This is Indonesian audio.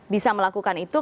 bisa melakukan itu